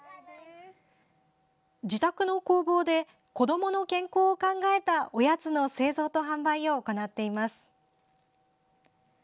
自宅の工房で子どもの健康を考えたおやつの製造と販売を行っています。